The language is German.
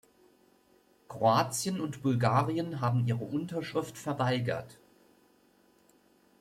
Kroatien und Bulgarien haben ihre Unterschrift verweigert.